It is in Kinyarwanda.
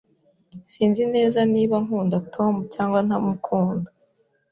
Sinzi neza niba nkunda Tom cyangwa ntakunda.